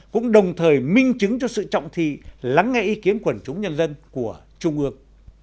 cũng đồng thời minh chứng cho sự trọng thị lắng nghe ý kiến quần chúng nhân dân của trung ương